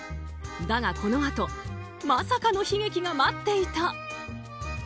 だが、このあとまさかの悲劇が待っていた。